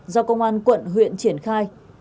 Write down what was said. do công an quận huyện triển khai